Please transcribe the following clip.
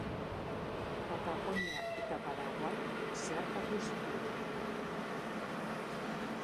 Patagonia eta Paraguai zeharkatu zituen.